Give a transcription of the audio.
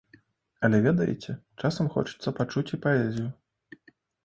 Але, ведаеце, часам хочацца пачуць і паэзію.